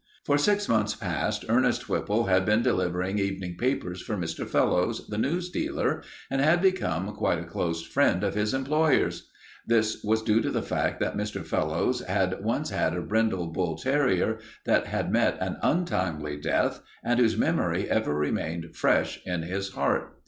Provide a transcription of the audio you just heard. For six months past Ernest Whipple had been delivering evening papers for Mr. Fellowes, the news dealer, and had become quite a close friend of his employer's. This was due to the fact that Mr. Fellowes had once had a brindle bull terrier that had met an untimely death and whose memory ever remained fresh in his heart.